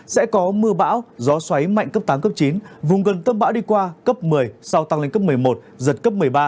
sẽ có mưa bão gió xoáy mạnh cấp tám cấp chín vùng gần tâm bão đi qua cấp một mươi sau tăng lên cấp một mươi một giật cấp một mươi ba